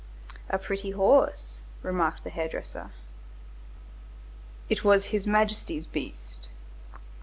"A pretty horse," remarked the hair dresser. "It was His Majesty's beast."